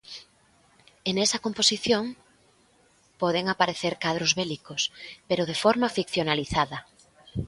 E nesa composición poden aparecer cadros bélicos, pero de forma ficcionalizada.